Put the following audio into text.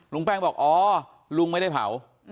แป้งบอกอ๋อลุงไม่ได้เผา